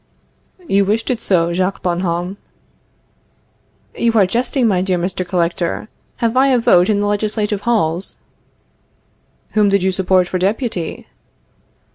You wished it so, Jacques Bonhomme. You are jesting, my dear Mr. Collector; have I a vote in the legislative halls? Whom did you support for Deputy?